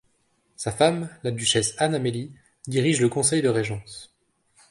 Sa femme, la duchesse Anne-Amélie, dirige le conseil de régence.